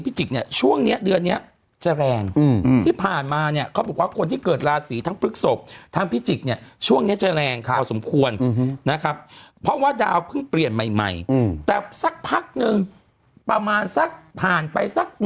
พี่เบิร์ดทรงใช้เม็ดอีนไตก็ราศีนี้คุณนี่มีคุณคุณน่าจะเป็นหมอดูนะ